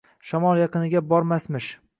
Shamol yaqiniga bormasmish.